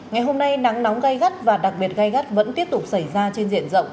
ngày hôm nay nắng nóng gai gắt và đặc biệt gai gắt vẫn tiếp tục xảy ra trên diện rộng